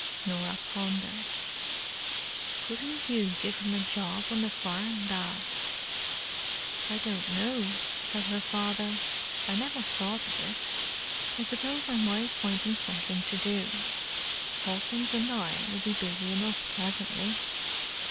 Norah pondered. "Couldn't you give him a job on the farm, Dad?" "I don't know," said her father. "I never thought of it. I suppose I might find him something to do; Hawkins and I will be busy enough presently."